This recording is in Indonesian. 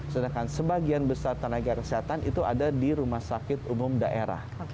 sedangkan sebagian besar tenaga kesehatan itu ada di rumah sakit umum daerah